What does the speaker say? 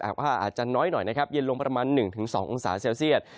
ว่าอาจจะน้อยหน่อยนะครับเย็นลงประมาณ๑๒องศาเซลเซียต